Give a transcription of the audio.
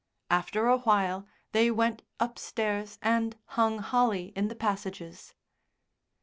After a while they went upstairs and hung holly in the passages.